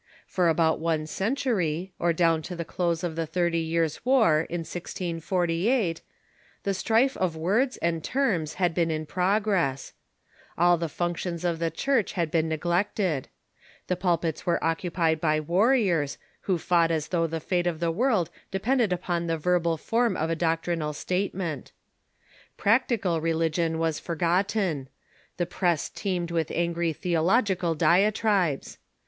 For about one century, or down Moral ResuUs ^*^^^® close of the Thirty Years' War, in 1648, the of the Contro strife of words and terms had been in progress, versia en ^j^ ^y^^ functions of the Church had been neglected. The pulpits were occupied by warriors, who fought as though the fate of the world depended upon the verbal form of a doc trinal statement. Practical religion was forgotten. The press teemed with angry theological diatribes.